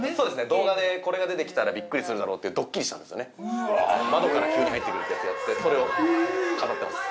動画でこれが出てきたらビックリするだろうっていう窓から急に入ってくるってやつやってそれを飾ってます